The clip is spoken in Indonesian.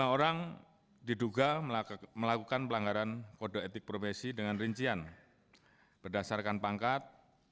lima orang diduga melakukan pelanggaran kode etik profesi dengan rincian berdasarkan pangkat